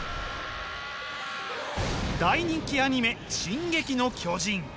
大人気アニメ「進撃の巨人」。